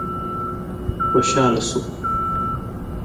خوشاله شو.